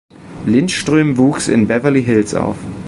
Lindström wuchs in Beverly Hills auf.